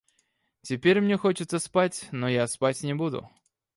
Теперь мне хочется спать, но я спать не буду.